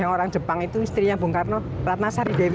orang jepang itu istrinya bung karno ratna sari dewi